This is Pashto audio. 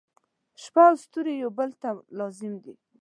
• شپه او ستوري یو بل ته لازم دي.